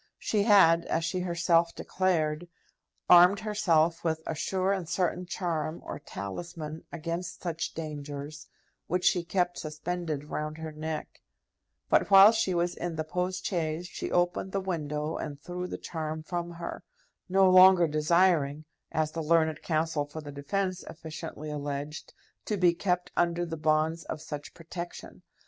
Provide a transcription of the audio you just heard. She had, as she herself declared, armed herself with a sure and certain charm or talisman against such dangers, which she kept suspended round her neck; but whilst she was in the post chaise she opened the window and threw the charm from her, no longer desiring, as the learned counsel for the defence efficiently alleged, to be kept under the bonds of such protection.